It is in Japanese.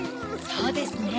そうですね。